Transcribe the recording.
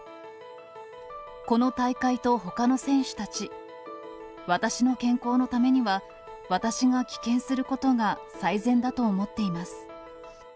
この大会とほかの選手たち、私の健康のためには、私が棄権することが最善だと思っています。